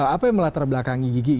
apa yang melatar belakangi gigi